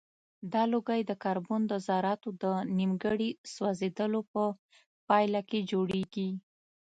دا لوګی د کاربن د ذراتو د نیمګړي سوځیدلو په پایله کې جوړیږي.